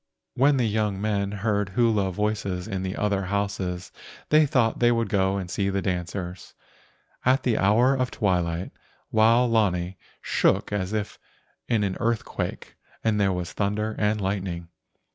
When the young men heard hula voices in the other houses they thought they would go and see the dancers. At the hour of twilight Wao lani shook as if in an earthquake, and there was thunder and lightning.